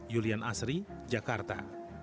julian asri jakarta